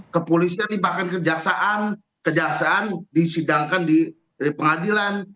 kepolisian ini bahkan kejaksaan disidangkan di pengadilan